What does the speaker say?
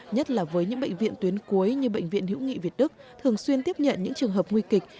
nhất là với những bệnh viện tuyến cuối như bệnh viện hữu nghị việt đức thường xuyên tiếp nhận những trường hợp nguy kịch